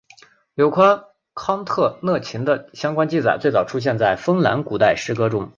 有关康特勒琴的相关记载最早出现在芬兰古代诗歌中。